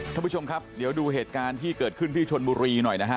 ท่านผู้ชมครับเดี๋ยวดูเหตุการณ์ที่เกิดขึ้นที่ชนบุรีหน่อยนะฮะ